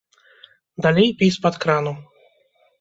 Далей пі з-пад крану.